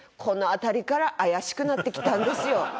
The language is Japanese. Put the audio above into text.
この辺りから怪しくなってきたんですよ。